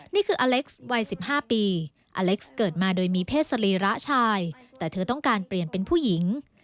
นี่คืออเล็กซ์วัย๑๕ปีอเล็กซ์เกิดมาโดยมีเพศสรีระชายแต่เธอต้องการเปลี่ยนเป็นผู้หญิง